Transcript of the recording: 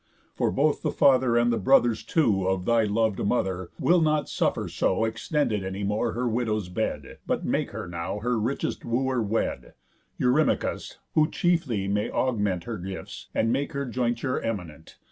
For both the father, and the brothers too, Of thy lov'd mother, will not suffer so Extended any more her widow's bed, But make her now her richest wooer wed, Eurymachus, who chiefly may augment Her gifts, and make her jointure eminent.